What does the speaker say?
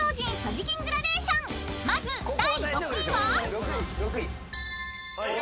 ［まず第６位は］